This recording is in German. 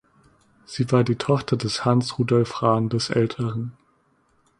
Sie war die Tochter des Hans Rudolf Rahn des Älteren.